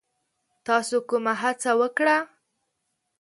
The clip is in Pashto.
تاسو کومه هڅه وکړه؟